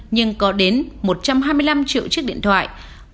nhưng có đến một trăm hai mươi năm triệu chiếc điện thoại